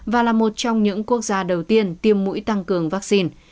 và là một trong những quốc gia đầu tiên tiêm mũi tăng cường vaccine